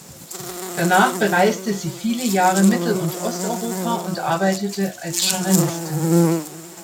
Danach bereiste sie viele Jahre Mittel- und Osteuropa und arbeitete als Journalistin.